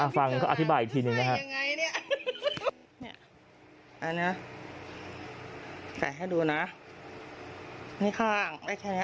ฟังเขาอธิบายอีกทีหนึ่ง